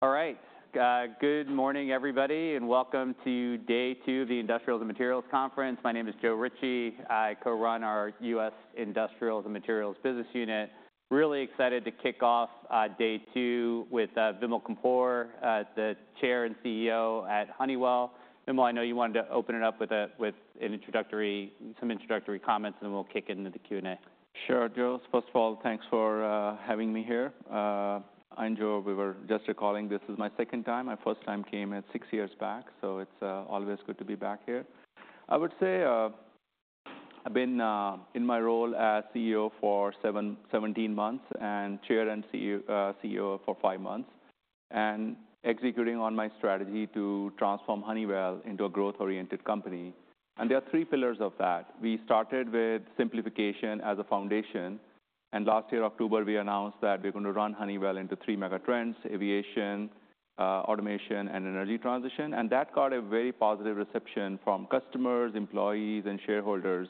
All right. Good morning, everybody, and welcome to Day 2 of the Industrials and Materials Conference. My name is Joe Ritchie. I co-run our U.S. Industrials and Materials Business Unit. Really excited to kick off Day 2 with Vimal Kapur, the Chairman and CEO at Honeywell. Vimal, I know you wanted to open it up with some introductory comments, and then we'll kick into the Q&A. Sure, Joe. First of all, thanks for having me here. I enjoyed just recalling this is my second time. My first time came six years back, so it's always good to be back here. I would say I've been in my role as CEO for 17 months and Chair and CEO for five months, and executing on my strategy to transform Honeywell into a growth-oriented company. And there are three pillars of that. We started with simplification as a foundation, and last year, October, we announced that we're going to run Honeywell into three megatrends: aviation, automation, and energy transition. And that got a very positive reception from customers, employees, and shareholders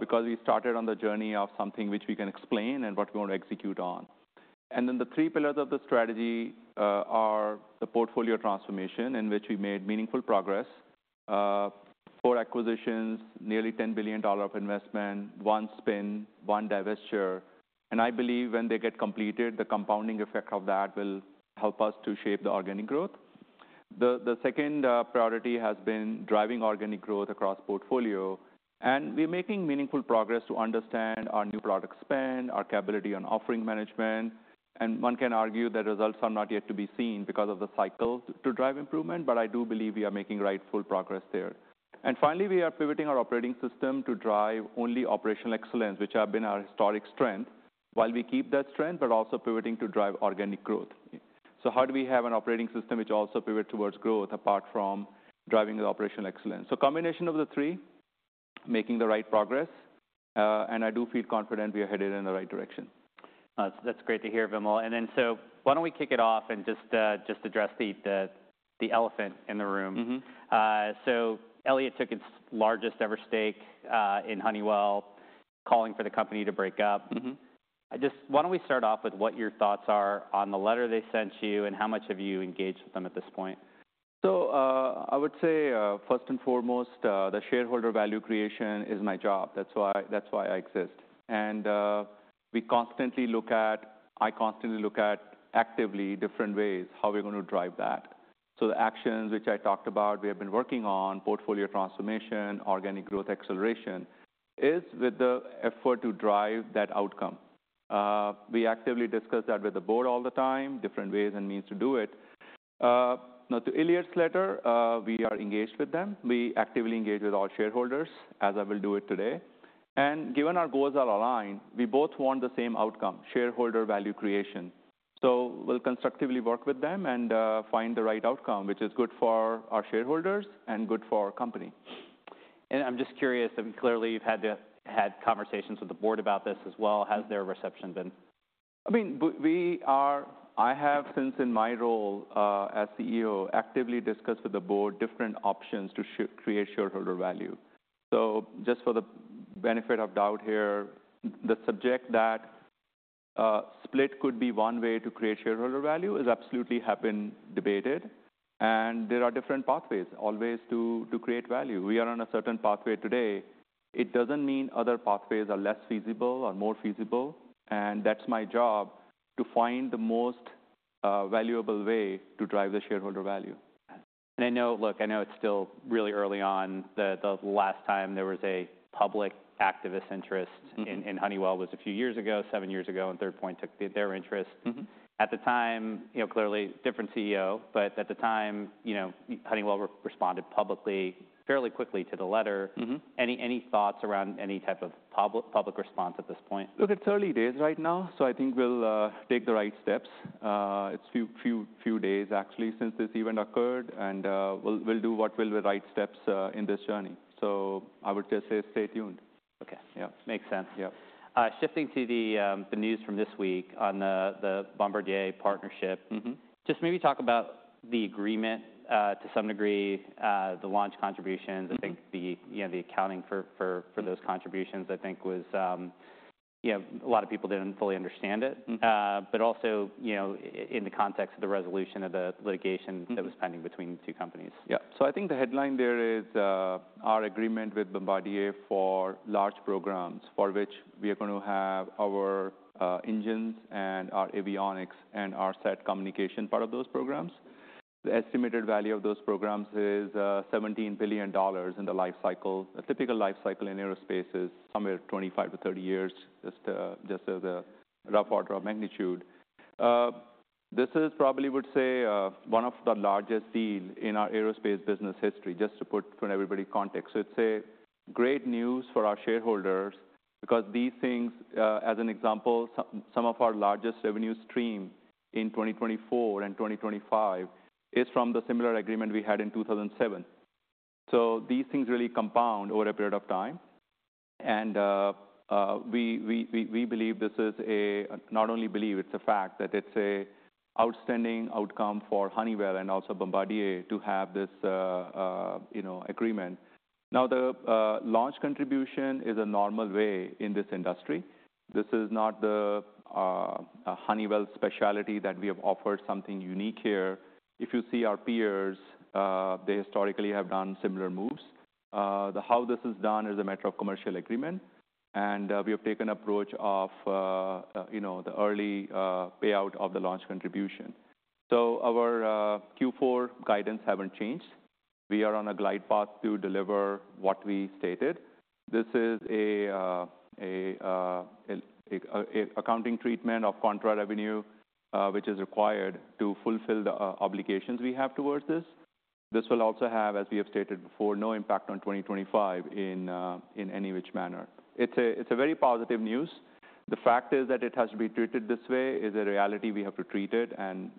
because we started on the journey of something which we can explain and what we want to execute on. And then the three pillars of the strategy are the portfolio transformation, in which we made meaningful progress: four acquisitions, nearly $10 billion of investment, one spin, one divestiture. And I believe when they get completed, the compounding effect of that will help us to shape the organic growth. The second priority has been driving organic growth across portfolio, and we're making meaningful progress to understand our new product spend, our capability on offering management. And one can argue that results are not yet to be seen because of the cycle to drive improvement, but I do believe we are making rightful progress there. And finally, we are pivoting our operating system to drive only operational excellence, which has been our historic strength, while we keep that strength, but also pivoting to drive organic growth. So how do we have an operating system which also pivots towards growth apart from driving the operational excellence? So combination of the three, making the right progress, and I do feel confident we are headed in the right direction. That's great to hear, Vimal. And then so why don't we kick it off and just address the elephant in the room? So Elliott took its largest ever stake in Honeywell, calling for the company to break up. Just why don't we start off with what your thoughts are on the letter they sent you and how much have you engaged with them at this point? So I would say, first and foremost, the shareholder value creation is my job. That's why I exist. And I constantly look at actively different ways how we're going to drive that. So the actions which I talked about, we have been working on portfolio transformation, organic growth acceleration, is with the effort to drive that outcome. We actively discuss that with the board all the time, different ways and means to do it. Now, to Elliott's letter, we are engaged with them. We actively engage with all shareholders, as I will do it today. And given our goals are aligned, we both want the same outcome, shareholder value creation. So we'll constructively work with them and find the right outcome, which is good for our shareholders and good for our company. I'm just curious, I mean, clearly you've had conversations with the board about this as well. How's their reception been? I mean, I have, since in my role as CEO, actively discussed with the board different options to create shareholder value. So just for the benefit of doubt here, the subject that split could be one way to create shareholder value has absolutely been debated. And there are different pathways always to create value. We are on a certain pathway today. It doesn't mean other pathways are less feasible or more feasible. And that's my job, to find the most valuable way to drive the shareholder value. I know, look, I know it's still really early on. The last time there was a public activist interest in Honeywell was a few years ago, seven years ago, and Third Point took their interest. At the time, clearly, different CEO, but at the time, Honeywell responded publicly fairly quickly to the letter. Any thoughts around any type of public response at this point? Look, it's early days right now, so I think we'll take the right steps. It's a few days, actually, since this event occurred, and we'll do what will be the right steps in this journey. So I would just say stay tuned. Okay. Yeah, makes sense. Yeah. Shifting to the news from this week on the Bombardier partnership, just maybe talk about the agreement to some degree, the launch contributions. I think the accounting for those contributions, I think, was a lot of people didn't fully understand it, but also in the context of the resolution of the litigation that was pending between the two companies. Yeah. So I think the headline there is our agreement with Bombardier for large programs for which we are going to have our engines and our avionics and our satellite communication part of those programs. The estimated value of those programs is $17 billion in the lifecycle. A typical lifecycle in Aerospace is somewhere 25-30 years, just as a rough order of magnitude. This is probably, I would say, one of the largest deals in our Aerospace business history, just to put everybody in context. So it's great news for our shareholders because these things, as an example, some of our largest revenue stream in 2024 and 2025 is from the similar agreement we had in 2007. So these things really compound over a period of time. We believe this is not only a belief, it's a fact that it's an outstanding outcome for Honeywell and also Bombardier to have this agreement. Now, the launch contribution is a normal way in this industry. This is not the Honeywell specialty that we have offered something unique here. If you see our peers, they historically have done similar moves. How this is done is a matter of commercial agreement, and we have taken an approach of the early payout of the launch contribution. So our Q4 guidance hasn't changed. We are on a glide path to deliver what we stated. This is an accounting treatment of contra revenue which is required to fulfill the obligations we have towards this. This will also have, as we have stated before, no impact on 2025 in any which manner. It's very positive news. The fact is that it has to be treated this way is a reality we have to treat it and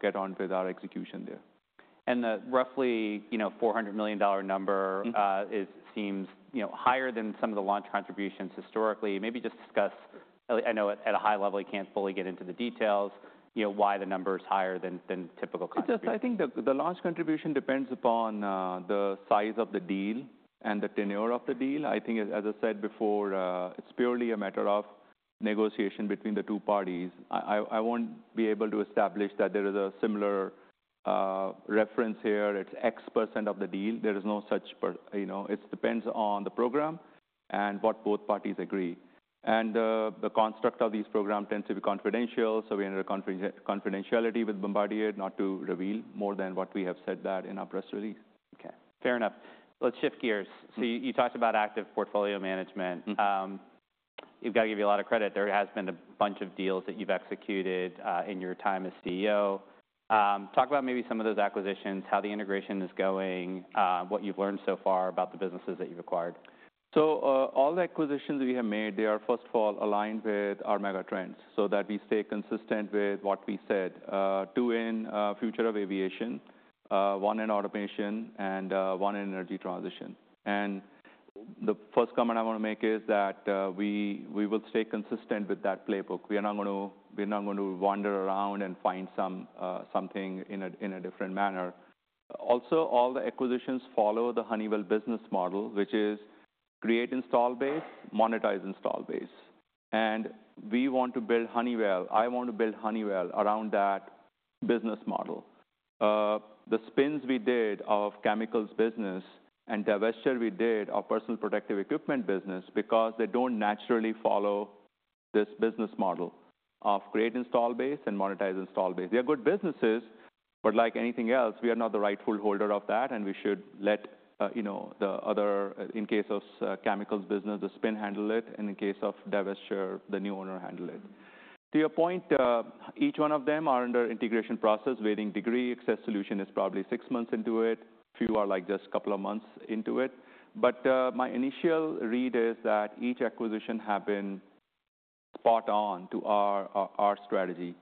get on with our execution there. Roughly $400 million number seems higher than some of the launch contributions historically. Maybe just discuss. I know at a high level, you can't fully get into the details, why the number is higher than typical contributions. I think the launch contribution depends upon the size of the deal and the tenure of the deal. I think, as I said before, it's purely a matter of negotiation between the two parties. I won't be able to establish that there is a similar reference here. It's X% of the deal. There is no such. It depends on the program and what both parties agree. And the construct of these programs tends to be confidential, so we enter confidentiality with Bombardier, not to reveal more than what we have said that in our press release. Okay. Fair enough. Let's shift gears. So you talked about active portfolio management. You've got to give you a lot of credit. There has been a bunch of deals that you've executed in your time as CEO. Talk about maybe some of those acquisitions, how the integration is going, what you've learned so far about the businesses that you've acquired. So all the acquisitions we have made, they are, first of all, aligned with our megatrends so that we stay consistent with what we said: two in future of aviation, one in automation, and one in energy transition. And the first comment I want to make is that we will stay consistent with that playbook. We are not going to wander around and find something in a different manner. Also, all the acquisitions follow the Honeywell business model, which is create install base, monetize install base. And we want to build Honeywell. I want to build Honeywell around that business model. The spins we did of chemicals business and divestiture we did of personal protective equipment business because they don't naturally follow this business model of create install base and monetize install base. They are good businesses, but like anything else, we are not the rightful holder of that, and we should let the other, in case of chemicals business, the spin handle it, and in case of divestiture, the new owner handle it. To your point, each one of them is under integration process, varying degrees. Access Solutions is probably six months into it. A few are like just a couple of months into it, but my initial read is that each acquisition has been spot on to our strategy.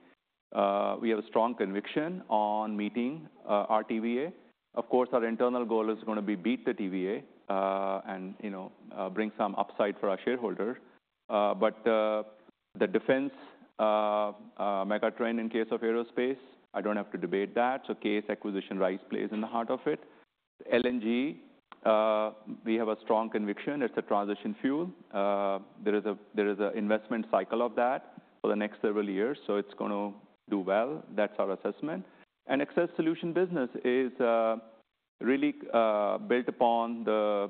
We have a strong conviction on meeting our EVA. Of course, our internal goal is going to beat the EVA and bring some upside for our shareholders, but the defense mega trend in case of Aerospace, I don't have to debate that, so CAES acquisition, right place in the heart of it. LNG, we have a strong conviction. It's a transition fuel. There is an investment cycle of that for the next several years, so it's going to do well. That's our assessment, and Access Solutions business is really built upon the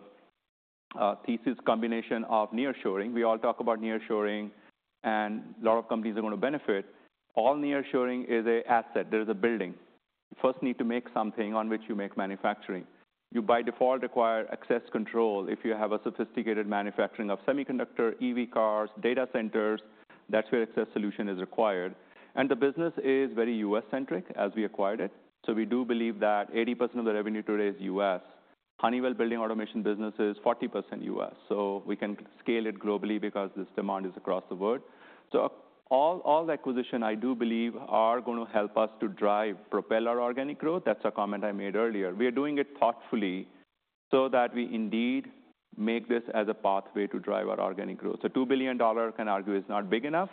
thesis combination of nearshoring. We all talk about nearshoring, and a lot of companies are going to benefit. All nearshoring is an asset. There is a building. You first need to make something on which you make manufacturing. You by default require access control if you have a sophisticated manufacturing of semiconductors, EV cars, data centers. That's where Access Solutions is required, and the business is very U.S.-centric as we acquired it, so we do believe that 80% of the revenue today is U.S. Honeywell Building Automation business is 40% U.S., so we can scale it globally because this demand is across the world. All acquisitions, I do believe, are going to help us to drive, propel our organic growth. That's a comment I made earlier. We are doing it thoughtfully so that we indeed make this as a pathway to drive our organic growth. $2 billion, I can argue is not big enough,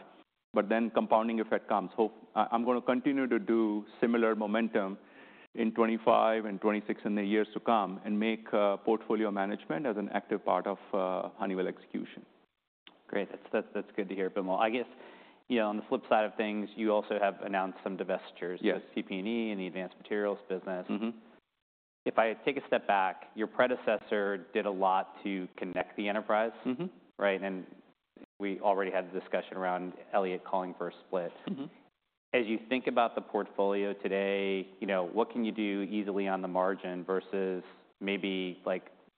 but then compounding effect comes. I'm going to continue to do similar momentum in 2025 and 2026 and the years to come and make portfolio management as an active part of Honeywell execution. Great. That's good to hear, Vimal. I guess on the flip side of things, you also have announced some divestitures. Yes. PPE and the Advanced Materials business. If I take a step back, your predecessor did a lot to connect the enterprise, right? And we already had the discussion around Elliott calling for a split. As you think about the portfolio today, what can you do easily on the margin versus maybe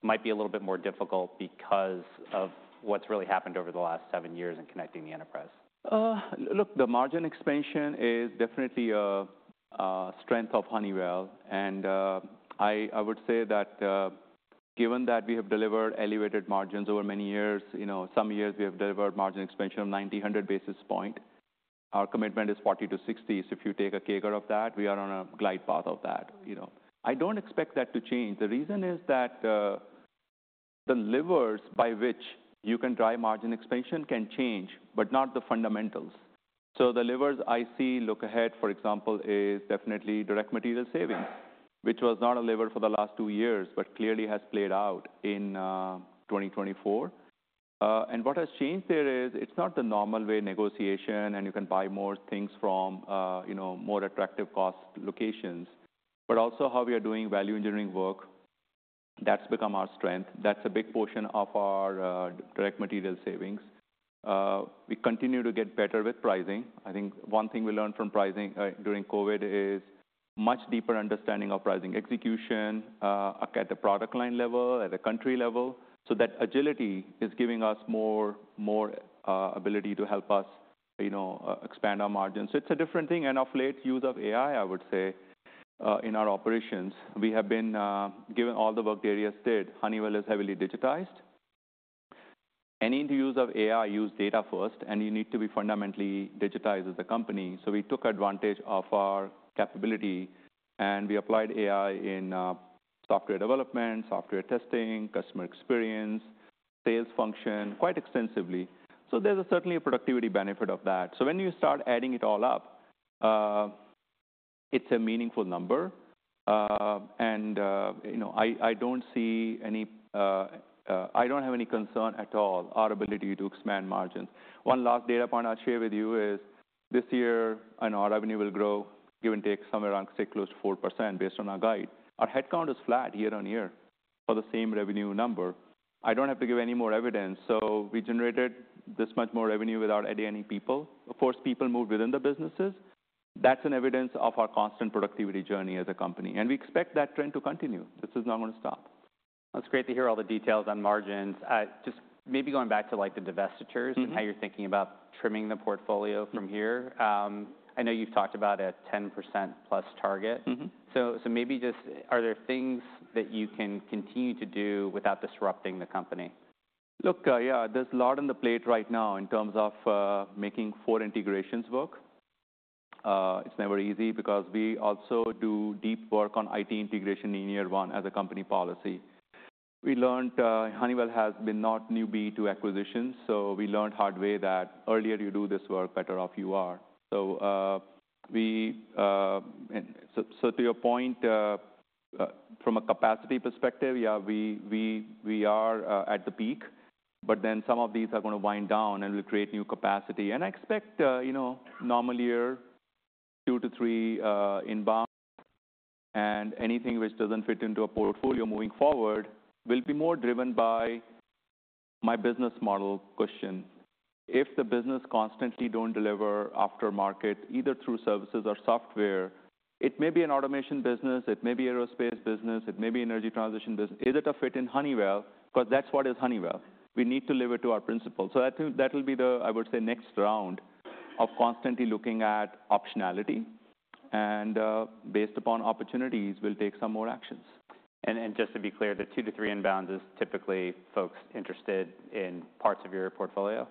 might be a little bit more difficult because of what's really happened over the last seven years in connecting the enterprise? Look, the margin expansion is definitely a strength of Honeywell, and I would say that given that we have delivered elevated margins over many years, some years we have delivered margin expansion of 90, 100 basis points. Our commitment is 40-60, so if you take a CAGR of that, we are on a glide path of that. I don't expect that to change. The reason is that the levers by which you can drive margin expansion can change, but not the fundamentals, so the levers I see look ahead, for example, is definitely direct material savings, which was not a lever for the last two years, but clearly has played out in 2024, what has changed there is it's not the normal way negotiation, and you can buy more things from more attractive cost locations, but also how we are doing value engineering work. That's become our strength. That's a big portion of our direct material savings. We continue to get better with pricing. I think one thing we learned from pricing during COVID is a much deeper understanding of pricing execution at the product line level, at the country level, so that agility is giving us more ability to help us expand our margins, so it's a different thing and a flat use of AI, I would say, in our operations. We have been given all the work the areas did. Honeywell is heavily digitized. Any use of AI, use data first, and you need to be fundamentally digitized as a company, so we took advantage of our capability, and we applied AI in software development, software testing, customer experience, sales function, quite extensively, so there's certainly a productivity benefit of that, so when you start adding it all up, it's a meaningful number. I don't have any concern at all with our ability to expand margins. One last data point I'll share with you is this year. I know our revenue will grow, give or take somewhere around, say, close to 4% based on our guide. Our headcount is flat year-on-year for the same revenue number. I don't have to give any more evidence, so we generated this much more revenue without adding any people. Of course, people moved within the businesses. That's evidence of our constant productivity journey as a company, and we expect that trend to continue. This is not going to stop. That's great to hear all the details on margins. Just maybe going back to the divestitures and how you're thinking about trimming the portfolio from here. I know you've talked about a 10%+ target. So maybe just, are there things that you can continue to do without disrupting the company? Look, yeah, there's a lot on the plate right now in terms of making four integrations work. It's never easy because we also do deep work on IT integration in year one as a company policy. We learned Honeywell has been not a newbie to acquisitions, so we learned the hard way that the earlier you do this work, the better off you are. So to your point, from a capacity perspective, yeah, we are at the peak, but then some of these are going to wind down and will create new capacity. And I expect a normal year, 2-3 inbound, and anything which doesn't fit into a portfolio moving forward will be more driven by my business model question. If the business constantly doesn't deliver aftermarket, either through services or software, it may be an automation business, it may be an Aerospace business, it may be an energy transition business, is it a fit in Honeywell? Because that's what is Honeywell. We need to live it to our principles. So that will be the, I would say, next round of constantly looking at optionality, and based upon opportunities, we'll take some more actions. Just to be clear, the 2-3 inbounds is typically folks interested in parts of your portfolio?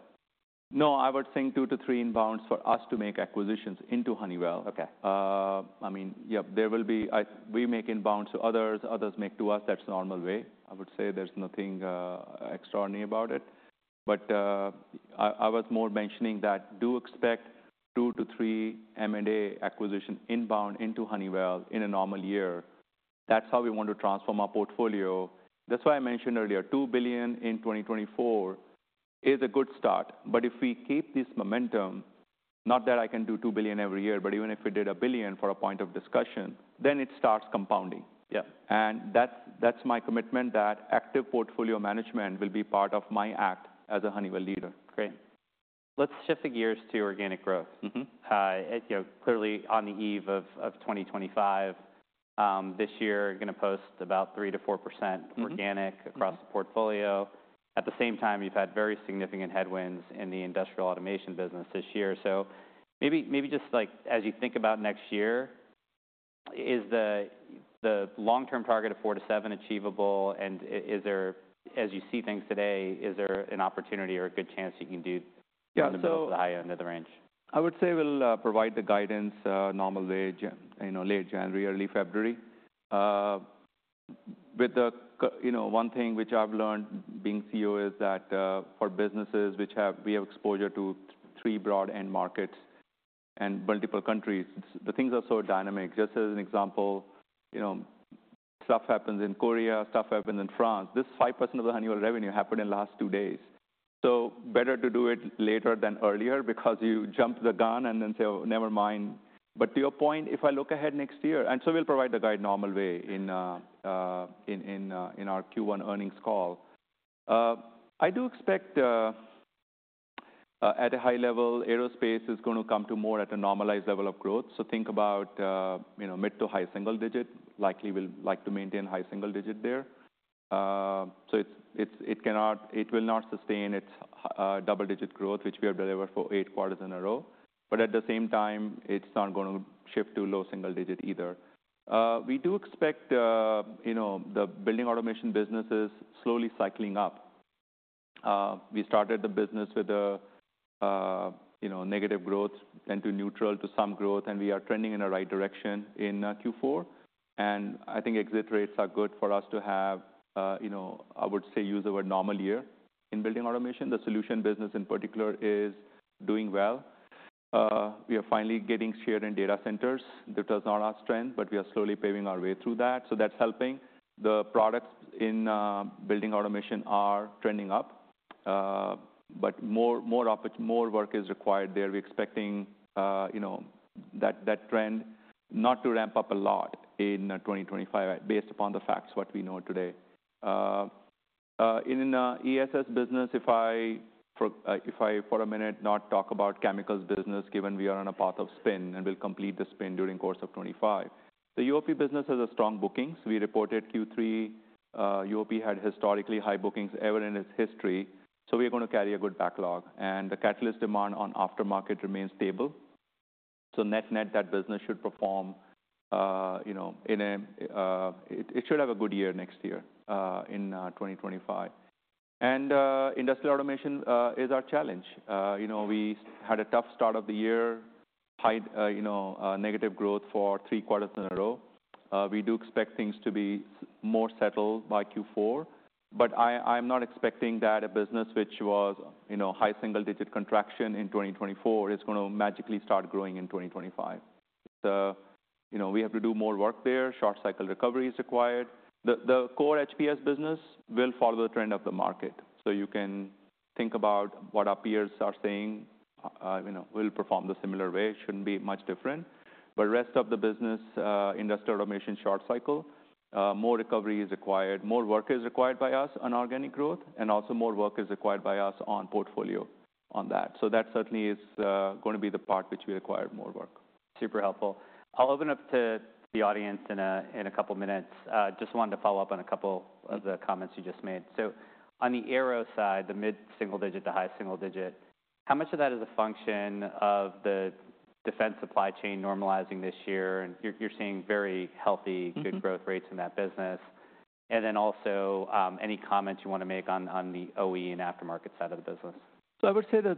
No, I would think 2-3 inbounds for us to make acquisitions into Honeywell. I mean, yeah, there will be we make inbounds to others. Others make to us. That's the normal way. I would say there's nothing extraordinary about it. But I was more mentioning that do expect two to three M&A acquisitions inbound into Honeywell in a normal year. That's how we want to transform our portfolio. That's why I mentioned earlier, $2 billion in 2024 is a good start. But if we keep this momentum, not that I can do $2 billion every year, but even if we did a billion for a point of discussion, then it starts compounding. Yeah. And that's my commitment that active portfolio management will be part of my act as a Honeywell leader. Great. Let's shift the gears to organic growth. Clearly, on the eve of 2025, this year, you're going to post about 3%-4% organic across the portfolio. At the same time, you've had very significant headwinds in the Industrial Automation business this year. So maybe just as you think about next year, is the long-term target of 4%-7% achievable? And as you see things today, is there an opportunity or a good chance you can do the high end of the range? I would say we'll provide the guidance normal way late January, early February. With one thing which I've learned being CEO is that for businesses which we have exposure to three broad end markets and multiple countries, the things are so dynamic. Just as an example, stuff happens in Korea, stuff happens in France. This 5% of the Honeywell revenue happened in the last two days. So better to do it later than earlier because you jump the gun and then say, "Oh, never mind." But to your point, if I look ahead next year, and so we'll provide the guide normal way in our Q1 earnings call. I do expect at a high level, Aerospace is going to come to more at a normalized level of growth. So think about mid- to high-single-digit. Likely we'll like to maintain high-single-digit there. It will not sustain its double-digit growth, which we have delivered for eight quarters in a row. But at the same time, it's not going to shift to low single digit either. We do expect the Building Automation businesses slowly cycling up. We started the business with a negative growth, then to neutral to some growth, and we are trending in the right direction in Q4. And I think exit rates are good for us to have. I would say, use the word normal year in Building Automation. The solution business in particular is doing well. We are finally getting share in data centers. That was not our strength, but we are slowly paving our way through that. So that's helping. The products in Building Automation are trending up, but more work is required there. We're expecting that trend not to ramp up a lot in 2025 based upon the facts what we know today. In ESS business, if I for a minute not talk about chemicals business, given we are on a path of spin and we'll complete the spin during the course of 2025. The UOP business has strong bookings. We reported Q3 UOP had historically high bookings ever in its history, so we are going to carry a good backlog, and the catalyst demand on aftermarket remains stable. Net-net that business should perform. It should have a good year next year in 2025, and Industrial Automation is our challenge. We had a tough start of the year, negative growth for three quarters in a row. We do expect things to be more settled by Q4. But I'm not expecting that a business which was high single-digit contraction in 2024 is going to magically start growing in 2025. We have to do more work there. Short cycle recovery is required. The core HPS business will follow the trend of the market. So you can think about what our peers are saying. We'll perform the similar way. It shouldn't be much different. But rest of the business, Industrial Automation short cycle, more recovery is required. More work is required by us on organic growth, and also more work is required by us on portfolio on that. So that certainly is going to be the part which we require more work. Super helpful. I'll open up to the audience in a couple of minutes. Just wanted to follow up on a couple of the comments you just made. So on the Aero side, the mid single digit, the high single digit, how much of that is a function of the defense supply chain normalizing this year? And you're seeing very healthy, good growth rates in that business. And then also any comments you want to make on the OE and aftermarket side of the business? So I would say that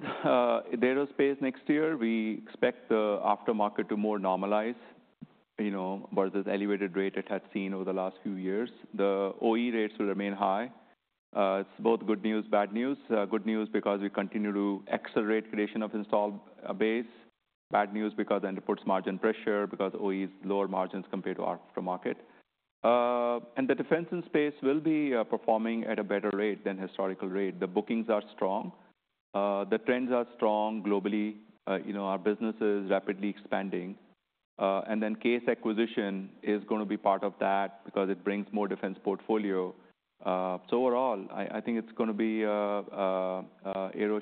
in Aerospace next year, we expect the aftermarket to more normalize versus elevated rate it had seen over the last few years. The OE rates will remain high. It's both good news, bad news. Good news because we continue to accelerate creation of installed base. Bad news because then it puts margin pressure because OEs lower margins compared to aftermarket. And the defense and space will be performing at a better rate than historical rate. The bookings are strong. The trends are strong globally. Our business is rapidly expanding. And then CAES acquisition is going to be part of that because it brings more defense portfolio. So overall, I think Aero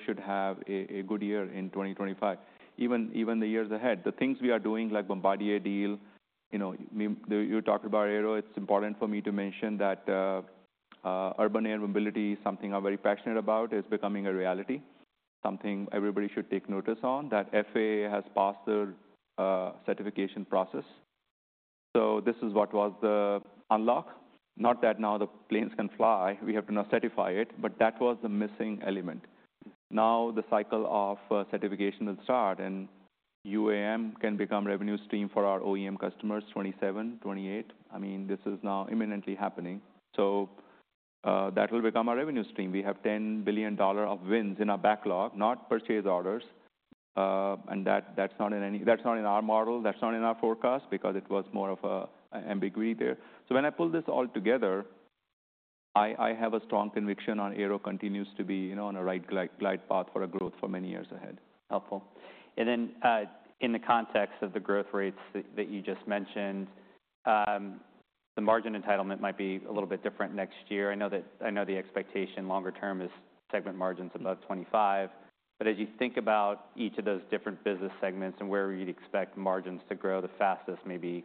should have a good year in 2025, even in the years ahead. The things we are doing like Bombardier deal, you talked about Aero. It's important for me to mention that urban air mobility is something I'm very passionate about. It's becoming a reality, something everybody should take notice on that FAA has passed the certification process. This is what was the unlock. Not that now the planes can fly. We have to now certify it, but that was the missing element. Now the cycle of certification will start, and UAM can become revenue stream for our OEM customers, 2027, 2028. I mean, this is now imminently happening. That will become our revenue stream. We have $10 billion of wins in our backlog, not purchase orders. That's not in our model. That's not in our forecast because it was more of an ambiguity there. When I pull this all together, I have a strong conviction on Aero continues to be on a right glide path for growth for many years ahead. Helpful. And then in the context of the growth rates that you just mentioned, the margin entitlement might be a little bit different next year. I know the expectation longer term is segment margins above 25%. But as you think about each of those different business segments and where you'd expect margins to grow the fastest, maybe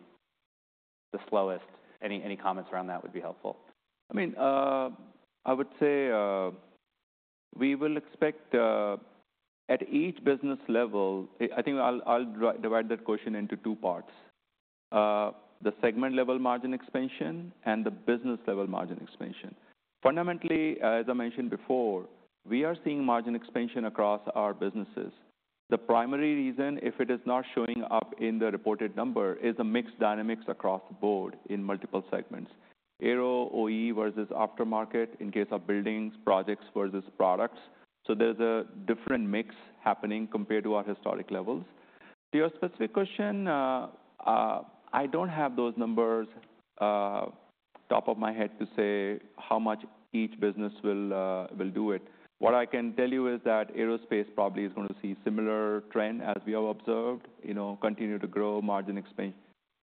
the slowest, any comments around that would be helpful? I mean, I would say we will expect at each business level. I think I'll divide that question into two parts, the segment level margin expansion and the business level margin expansion. Fundamentally, as I mentioned before, we are seeing margin expansion across our businesses. The primary reason if it is not showing up in the reported number is the mixed dynamics across the board in multiple segments, Aero, OE versus aftermarket in case of buildings, projects versus products. So there's a different mix happening compared to our historic levels. To your specific question, I don't have those numbers top of my head to say how much each business will do it. What I can tell you is that Aerospace probably is going to see a similar trend as we have observed, continue to grow, margin expansion,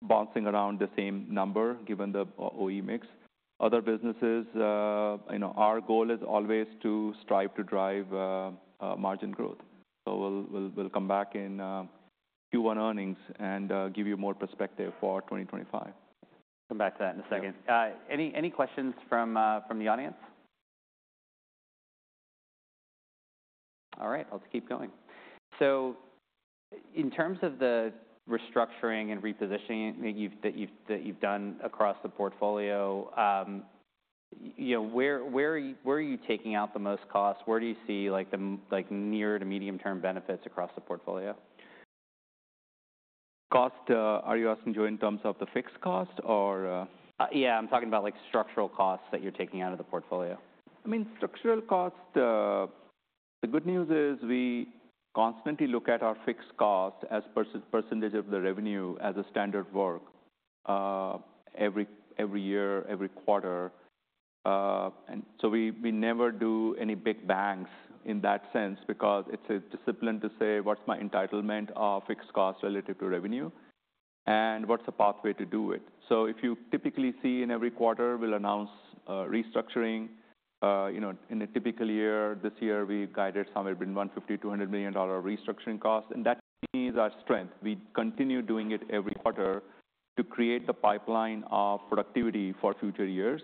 bouncing around the same number given the OE mix. Other businesses, our goal is always to strive to drive margin growth. So we'll come back in Q1 earnings and give you more perspective for 2025. Come back to that in a second. Any questions from the audience? All right. Let's keep going. So in terms of the restructuring and repositioning that you've done across the portfolio, where are you taking out the most cost? Where do you see near to medium-term benefits across the portfolio? Costs, are you asking in terms of the fixed cost or? Yeah, I'm talking about structural costs that you're taking out of the portfolio. I mean, structural cost, the good news is we constantly look at our fixed cost as a percentage of the revenue as a standard work every year, every quarter, and so we never do any big bangs in that sense because it's a discipline to say, what's my entitlement of fixed cost relative to revenue and what's the pathway to do it, so if you typically see in every quarter, we'll announce restructuring. In a typical year, this year, we guided somewhere between $150 million-$200 million restructuring cost, and that means our strength. We continue doing it every quarter to create the pipeline of productivity for future years,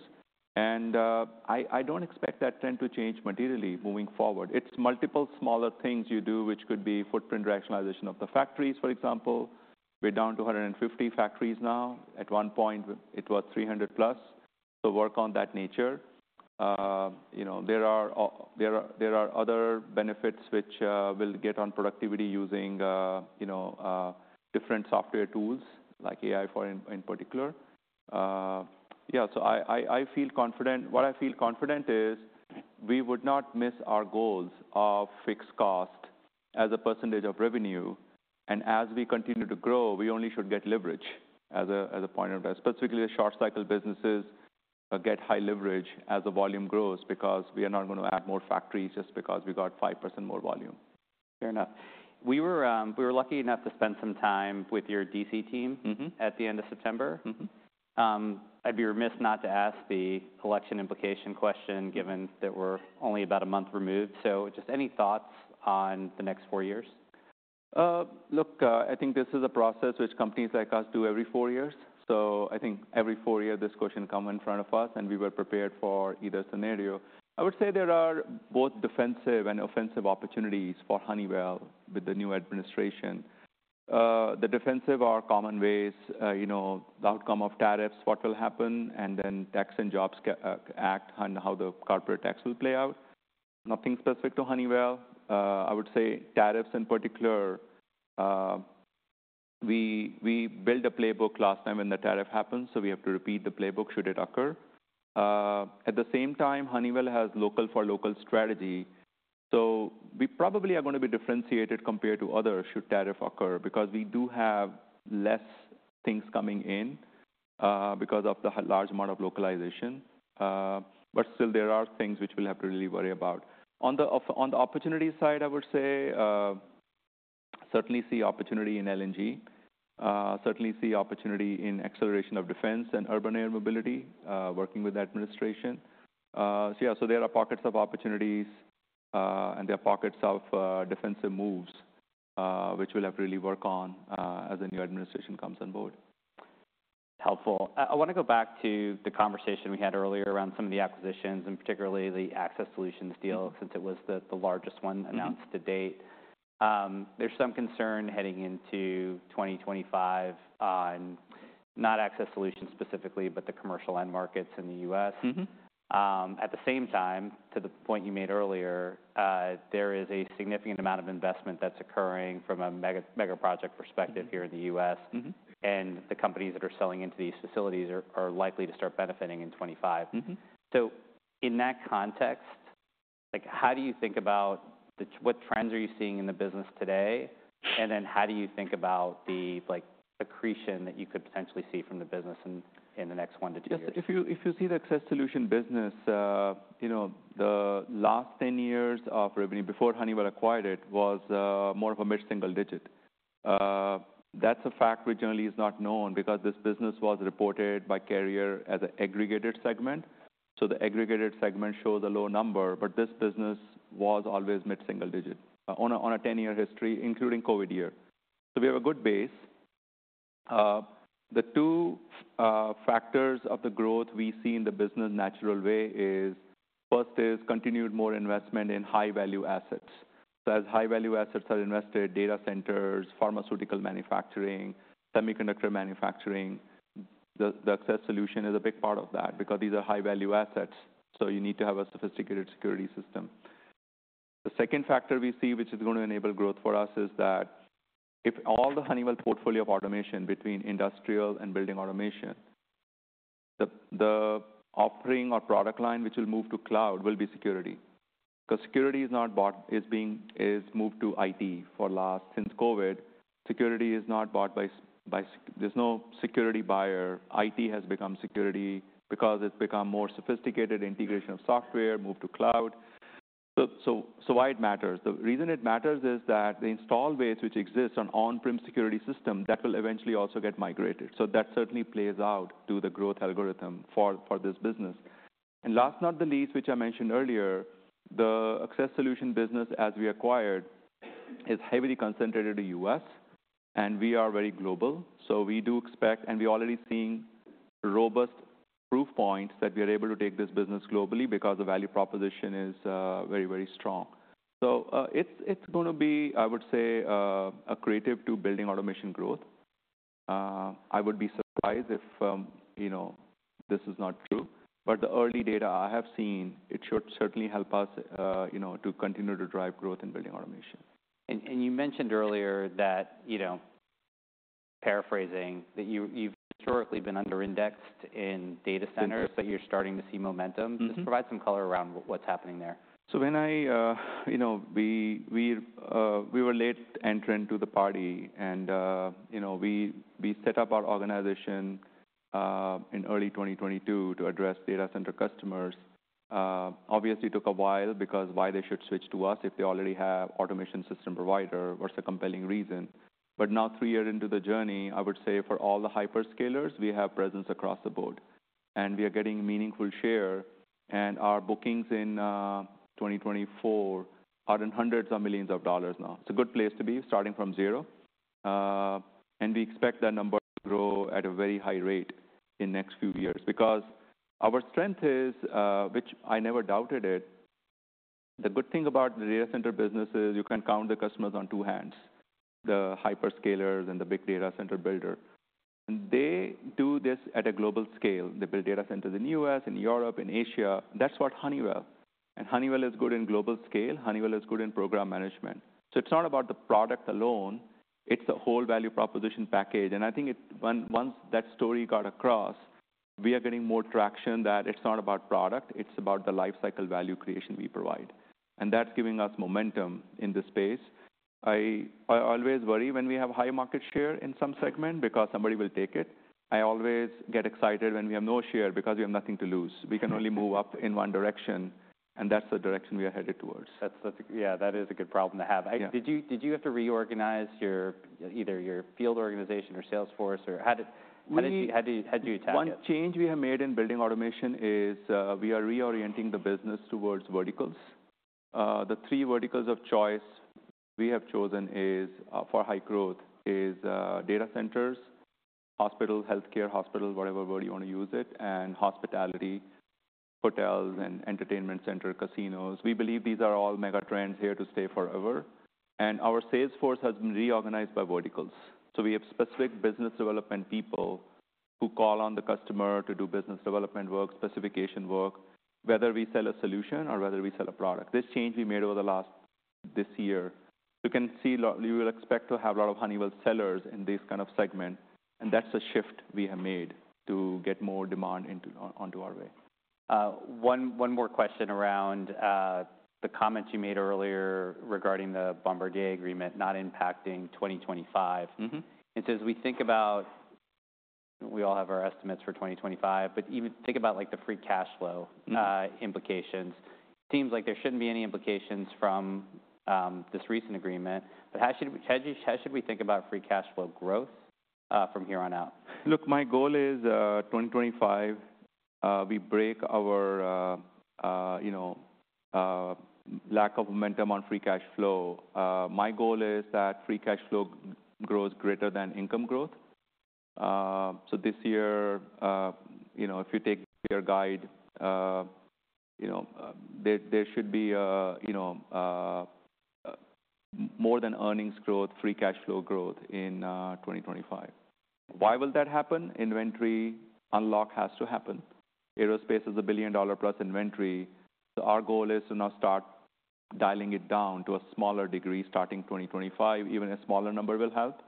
and I don't expect that trend to change materially moving forward. It's multiple smaller things you do, which could be footprint rationalization of the factories, for example. We're down to 150 factories now. At one point, it was 300+. So, work on that nature. There are other benefits which will get on productivity using different software tools, like AI in particular. Yeah, so I feel confident. What I feel confident is we would not miss our goals of fixed cost as a percentage of revenue, and as we continue to grow, we only should get leverage, as a point of, specifically the short cycle businesses get high leverage as the volume grows because we are not going to add more factories just because we got 5% more volume. Fair enough. We were lucky enough to spend some time with your D.C. team at the end of September. I'd be remiss not to ask the election implication question given that we're only about a month removed. So just any thoughts on the next four years? Look, I think this is a process which companies like us do every four years, so I think every four years, this question comes in front of us, and we were prepared for either scenario. I would say there are both defensive and offensive opportunities for Honeywell with the new administration. The defensive are common ways: the outcome of tariffs, what will happen, and then Tax and Jobs Act and how the corporate tax will play out. Nothing specific to Honeywell. I would say tariffs in particular. We built a playbook last time when the tariff happened, so we have to repeat the playbook should it occur. At the same time, Honeywell has local for local strategy, so we probably are going to be differentiated compared to others should tariff occur because we do have less things coming in because of the large amount of localization. But still, there are things which we'll have to really worry about. On the opportunity side, I would say certainly see opportunity in LNG, certainly see opportunity in acceleration of defense and urban air mobility working with the administration. So yeah, so there are pockets of opportunities and there are pockets of defensive moves which we'll have to really work on as the new administration comes on board. Helpful. I want to go back to the conversation we had earlier around some of the acquisitions and particularly the Access Solutions deal since it was the largest one announced to date. There's some concern heading into 2025 on not Access Solutions specifically, but the commercial end markets in the U.S. At the same time, to the point you made earlier, there is a significant amount of investment that's occurring from a mega project perspective here in the U.S., and the companies that are selling into these facilities are likely to start benefiting in 2025, so in that context, how do you think about what trends are you seeing in the business today? And then how do you think about the accretion that you could potentially see from the business in the next one to two years? If you see the Access Solutions business, the last 10 years of revenue before Honeywell acquired it was more of a mid single digit. That's a fact which generally is not known because this business was reported by Carrier as an aggregated segment. So the aggregated segment shows a low number, but this business was always mid single digit on a 10-year history, including COVID year. So we have a good base. The two factors of the growth we see in the business natural way is first is continued more investment in high-value assets. So as high-value assets are invested, data centers, pharmaceutical manufacturing, semiconductor manufacturing, the Access Solutions is a big part of that because these are high-value assets. So you need to have a sophisticated security system. The second factor we see which is going to enable growth for us is that in all the Honeywell portfolio of automation between industrial and Building Automation, the offering or product line which will move to cloud will be security. Because security is moved to IT since COVID. Security is not bought by; there's no security buyer. IT has become security because it's become more sophisticated integration of software, moved to cloud. So why it matters? The reason it matters is that the installed base which exists on on-prem security systems that will eventually also get migrated. So that certainly plays out to the growth algorithm for this business. And last but not the least, which I mentioned earlier, the access solution business as we acquired is heavily concentrated in the U.S. And we are very global. So we do expect and we're already seeing robust proof points that we are able to take this business globally because the value proposition is very, very strong. So it's going to be, I would say, a catalyst to Building Automation growth. I would be surprised if this is not true. But the early data I have seen. It should certainly help us to continue to drive growth in Building Automation. You mentioned earlier that paraphrasing that you've historically been under indexed in data centers, but you're starting to see momentum. Just provide some color around what's happening there. So, when we were late entrant to the party and we set up our organization in early 2022 to address data center customers, obviously took a while because why they should switch to us if they already have automation system provider versus a compelling reason. But now three years into the journey, I would say for all the hyperscalers, we have presence across the board. And we are getting meaningful share. And our bookings in 2024 are $ hundreds of millions now. It's a good place to be starting from zero. And we expect that number to grow at a very high rate in the next few years because our strength is, which I never doubted it, the good thing about the data center business is you can count the customers on two hands, the hyperscalers and the big data center builder. And they do this at a global scale. They build data centers in the U.S., in Europe, in Asia. That's what Honeywell. And Honeywell is good in global scale. Honeywell is good in program management. So it's not about the product alone. It's the whole value proposition package. And I think once that story got across, we are getting more traction that it's not about product. It's about the lifecycle value creation we provide. And that's giving us momentum in this space. I always worry when we have high market share in some segment because somebody will take it. I always get excited when we have no share because we have nothing to lose. We can only move up in one direction. And that's the direction we are headed towards. Yeah, that is a good problem to have. Did you have to reorganize either your field organization or Salesforce or how did you tackle it? One change we have made in Building Automation is we are reorienting the business towards verticals. The three verticals of choice we have chosen for high growth are data centers, hospital, healthcare, hospital, whatever word you want to use it, and hospitality, hotels, and entertainment center, casinos. We believe these are all megatrends here to stay forever. And our sales force has been reorganized by verticals. So we have specific business development people who call on the customer to do business development work, specification work, whether we sell a solution or whether we sell a product. This change we made over the last this year. You can see you will expect to have a lot of Honeywell sellers in this kind of segment. And that's a shift we have made to get more demand onto our way. One more question around the comments you made earlier regarding the Bombardier agreement not impacting 2025. And since we think about, we all have our estimates for 2025, but even think about the free cash flow implications. It seems like there shouldn't be any implications from this recent agreement. But how should we think about free cash flow growth from here on out? Look, my goal is 2025, we break our lack of momentum on free cash flow. My goal is that free cash flow grows greater than income growth. So this year, if you take your guide, there should be more than earnings growth, free cash flow growth in 2025. Why will that happen? Inventory unlock has to happen. Aerospace is a $1 billion+ inventory. So our goal is to now start dialing it down to a smaller degree starting 2025. Even a smaller number will help.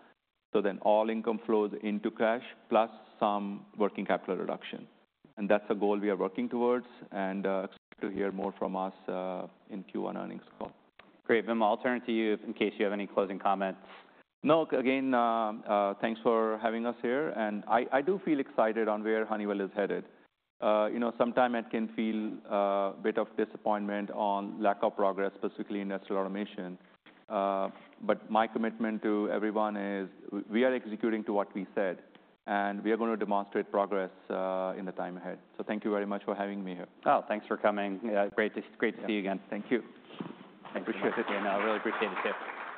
So then all income flows into cash plus some working capital reduction, and that's a goal we are working towards, and expect to hear more from us in Q1 earnings call. Great. I'll turn it to you in case you have any closing comments. No, again, thanks for having us here. I do feel excited on where Honeywell is headed. Sometimes it can feel a bit of disappointment on lack of progress specifically in Industrial Automation. My commitment to everyone is we are executing to what we said. We are going to demonstrate progress in the time ahead. Thank you very much for having me here. Oh, thanks for coming. Great to see you again. Thank you. I appreciate it. Appreciate it. I really appreciate it, chip.